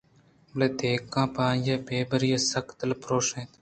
بلے دہقان پر آئی ءِ بے بَری ءَ سک دلپُرُوش اَت